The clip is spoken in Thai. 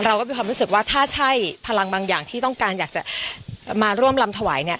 เราก็มีความรู้สึกว่าถ้าใช่พลังบางอย่างที่ต้องการอยากจะมาร่วมลำถวายเนี่ย